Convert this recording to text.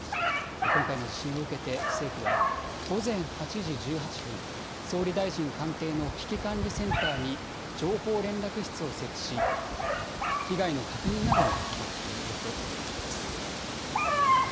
今回の地震を受けて政府は、午前８時１８分、総理大臣官邸の危機管理センターに情報連絡室を設置し被害の確認などにあたっているということです。